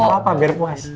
gak apa apa biar puas